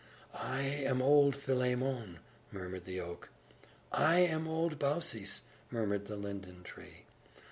"I am old Philemon!" murmured the oak. "I am old Baucis!" murmured the linden tree.